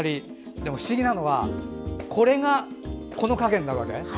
でも不思議なのはこれが、この影になるわけ？